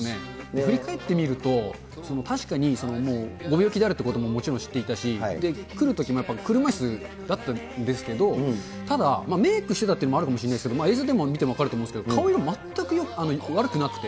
振り返ってみると、確かにご病気であるということももちろん知っていたし、来るときもやっぱり車いすだったんですけど、ただ、メイクしてたっていうのもあると思うんですけれども、映像でも見ても分かると思うんですけど、顔色全く悪くなくて。